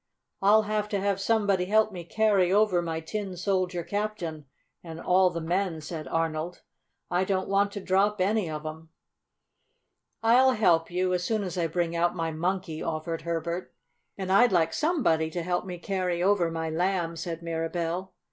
"I'll have to have somebody help me carry over my Tin Soldier Captain and all the men," said Arnold. "I don't want to drop any of 'em." "I'll help you, as soon as I bring out my Monkey," offered Herbert. "And I'd like somebody to help me carry over my Lamb," said Mirabell.